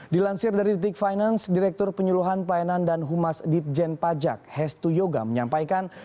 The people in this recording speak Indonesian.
dilansir dari detik finance direktur penyuluhan pelayanan dan humas ditjen pajak hestu yoga menyampaikan